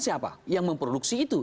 siapa yang memproduksi itu